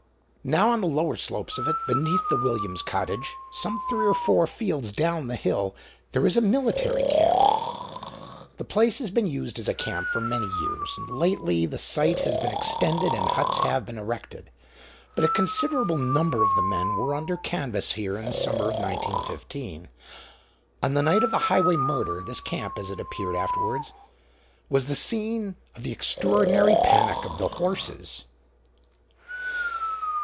Now on the lower slopes of it, beneath the Williams's cottage, some three or four fields down the hill, there is a military camp. The place has been used as a camp for many years, and lately the site has been extended and huts have been erected. But a considerable number of the men were under canvas here in the summer of 1915. On the night of the Highway murder this camp, as it appeared afterwards, was the scene of the extraordinary panic of the horses.